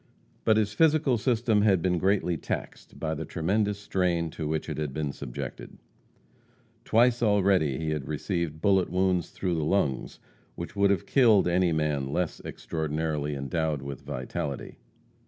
But his physical system had been greatly taxed by the tremendous strain to which it had been subjected. Twice already had he received bullet wounds through the lungs which would have killed any man less extraordinarily endowed with vitality.